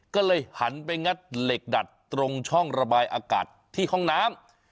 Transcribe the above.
ก็เลยหันไปงัดเหล็กดัดตรงช่องระบายอากาศที่ห้องน้ำ